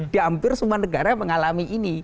di hampir semua negara mengalami ini